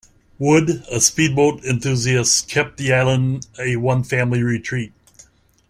Wood, a speedboat enthusiast, kept the island a one-family retreat.